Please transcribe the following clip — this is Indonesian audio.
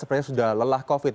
sepertinya sudah lelah covid